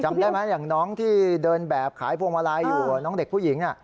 จำได้ไหมอย่างน้องที่เดินแบบขายพวงมาลัยอยู่น้องเด็กผู้หญิง